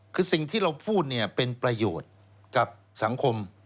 คือสิ่งที่เราพูดเนี่ยเป็นประโยชน์กับสังคม